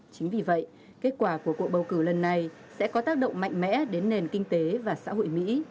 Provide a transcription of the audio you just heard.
chính vì vậy kết quả của cuộc bầu cử lần này sẽ có tác động mạnh mẽ đến nền kinh tế và xã hội mỹ